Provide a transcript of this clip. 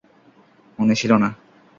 মনে ছিল না।